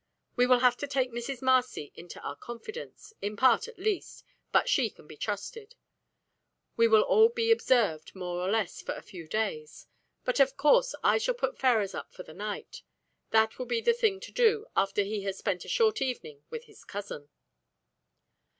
We will have to take Mrs. Marcy into our confidence, in part at least, but she can be trusted. We will all be observed, more or less, for a few days. But, of course, I shall put Ferrars up for the night. That will be the thing to do after he has spent a short evening with his cousin."